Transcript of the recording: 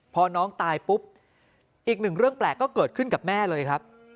พอน้องตายปุ๊บอีกหนึ่งเรื่องแปลกก็เกิดขึ้นกับแม่เลยครับ